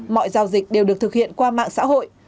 mọi giao dịch đều được thực hiện qua mạng xã hội